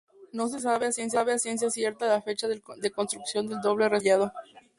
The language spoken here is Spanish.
No se sabe a ciencia cierta la fecha de construcción del doble recinto amurallado.